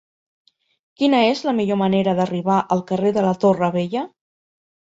Quina és la millor manera d'arribar al carrer de la Torre Vella?